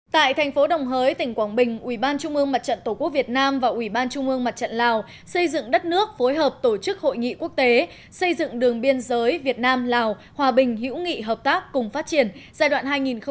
tại thành phố đồng hới tỉnh quảng bình ủy ban trung ương mặt trận tổ quốc việt nam và ủy ban trung ương mặt trận lào xây dựng đất nước phối hợp tổ chức hội nghị quốc tế xây dựng đường biên giới việt nam lào hòa bình hữu nghị hợp tác cùng phát triển giai đoạn hai nghìn một mươi chín hai nghìn hai mươi bốn